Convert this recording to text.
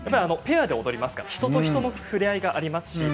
ペアで踊りますから人と人とのふれあいがあります。